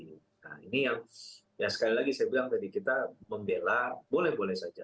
nah ini yang sekali lagi saya bilang tadi kita membela boleh boleh saja